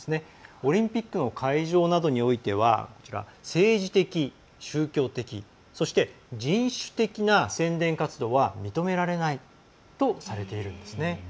オリンピックの会場などにおいては政治的、宗教的そして人種的な宣伝活動は認められないとされているんですね。